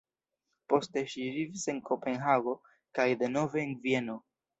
Poste ŝi vivis en Kopenhago kaj denove en Vieno.